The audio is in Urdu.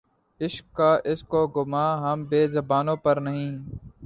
عشق کا‘ اس کو گماں‘ ہم بے زبانوں پر نہیں